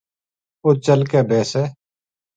اُت چل کے بیسے